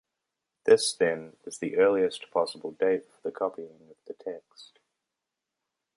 This, then, is the earliest possible date for the copying of the text.